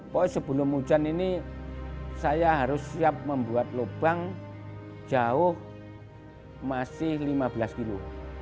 pokoknya sebelum hujan ini saya harus siap membuat lubang jauh masih lima belas kilo